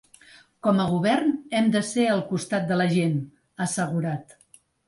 “Com a govern hem de ser al costat de la gent”, ha assegurat.